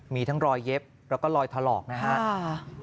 มีทั้งรอยเย็บแล้วก็รอยถลอกนะครับ